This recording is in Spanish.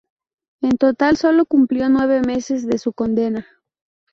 En total, solo cumplió nueve meses de su condena.